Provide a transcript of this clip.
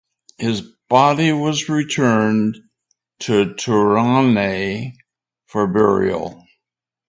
His body was returned to Tournai for burial.